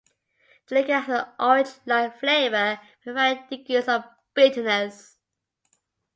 The liqueur has an orange-like flavor with varying degrees of bitterness.